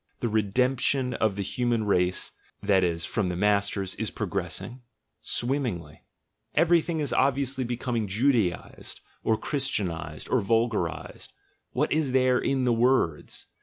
The 'redemption' of the human race (that is, from the masters) is progressing; swimmingly; everything is obviously becoming Judaised, or Christianised, or vulgarised (what is there in the words?).